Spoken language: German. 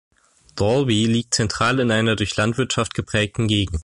Dalby liegt zentral in einer durch Landwirtschaft geprägten Gegend.